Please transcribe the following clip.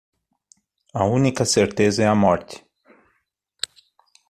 A única certeza é a morte.